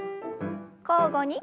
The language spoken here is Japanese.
交互に。